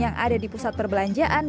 yang ada di pusat perbelanjaan